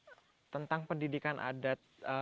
saya mencoba menyandingkan tentang pendidikan adat